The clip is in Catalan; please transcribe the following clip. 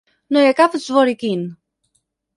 No hi ha cap Zworykin.